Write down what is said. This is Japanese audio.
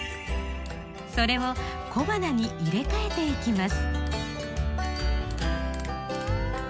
それを小花に入れ替えていきます。